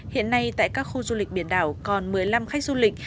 hiện nay tại các khu du lịch biển đảo còn một mươi năm khách du lịch